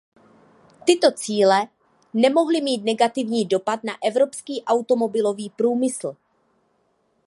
Tyto cíle nemohly mít negativní dopad na evropský automobilový průmysl.